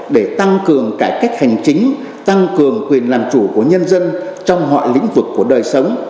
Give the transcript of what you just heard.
để tăng cường cải cách hành chính tăng cường quyền làm chủ của nhân dân trong mọi lĩnh vực của đời sống